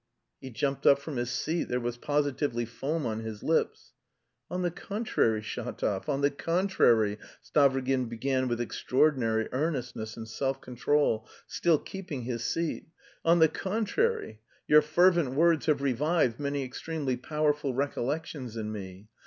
He jumped up from his seat; there was positively foam on his lips. "On the contrary Shatov, on the contrary," Stavrogin began with extraordinary earnestness and self control, still keeping his seat, "on the contrary, your fervent words have revived many extremely powerful recollections in me.